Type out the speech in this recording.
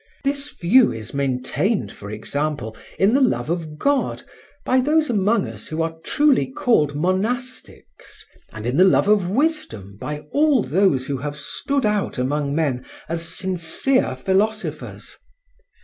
This view is maintained, for example, in the love of God by those among us who are truly called monastics, and in the love of wisdom by all those who have stood out among men as sincere philosophers.